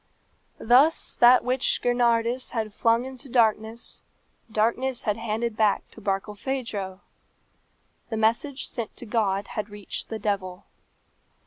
Thus that which Gernardus had flung into darkness, darkness had handed back to Barkilphedro. The message sent to God had reached the devil.